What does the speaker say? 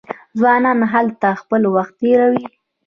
ځوانان هلته خپل وخت تیروي.